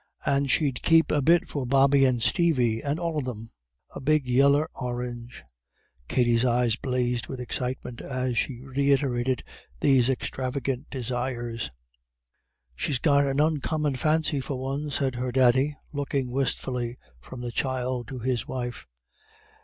And she'd keep a bit for Bobby and Stevie and all of them a big yeller or'nge." Katty's eyes blazed with excitement as she reiterated these extravagant desires. "She's got an oncommon fancy for a one," said her daddy, looking wistfully from the child to his wife.